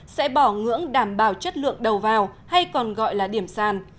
sẽ bỏ ngưỡng đảm bảo chất lượng đầu vào hay còn gọi là điểm sàn